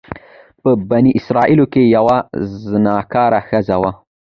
په بني اسرائيلو کي يوه زناکاره ښځه وه،